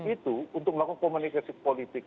itu untuk melakukan komunikasi politik